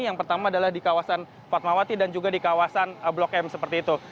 yang pertama adalah di kawasan fatmawati dan juga di kawasan blok m seperti itu